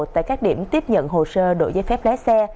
tại các điểm tiếp nhận hồ sơ đổi giấy phép lái xe